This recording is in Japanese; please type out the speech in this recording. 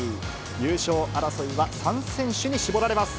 優勝争いは３選手に絞られます。